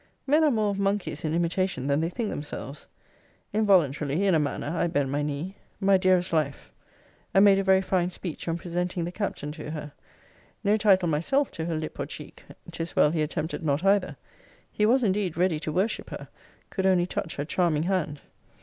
Men are more of monkeys in imitation than they think themselves. Involuntarily, in a manner, I bent my knee My dearest life and made a very fine speech on presenting the Captain to her. No title myself, to her lip or cheek, 'tis well he attempted not either. He was indeed ready to worship her; could only touch her charming hand.